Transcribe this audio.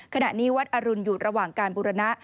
ขณะนี้วัดอรุณอยู่ระหว่างการบุรณะ